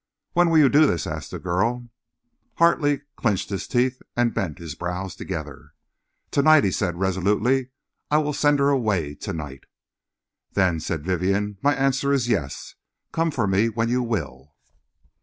"When will you do this?" asked the girl. Hartley clinched his teeth and bent his brows together. "To night," he said, resolutely. "I will send her away to night." "Then," said Vivienne, "my answer is 'yes.' Come for me when you will."